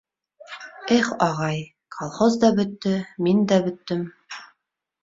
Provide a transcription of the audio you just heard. Их, ағай, колхоз да бөттө — мин дә бөттөм.